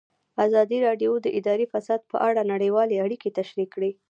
ازادي راډیو د اداري فساد په اړه نړیوالې اړیکې تشریح کړي.